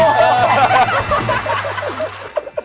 น่ารู้